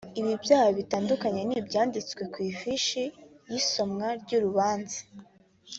Ibi byaha bitandukanye n’ibyanditse ku ifishi y’isomwa ry’urubanza